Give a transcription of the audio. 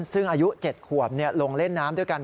ซึ่งอายุ๗ขวบลงเล่นน้ำด้วยกัน